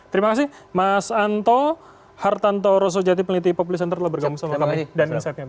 terima kasih mas anto hartanto rossojati peneliti public center telah bergabung sama kami dan insetnya tentunya